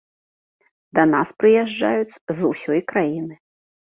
Да нас прыязджаюць з усёй краіны.